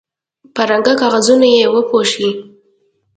په رنګه کاغذونو یې وپوښوئ.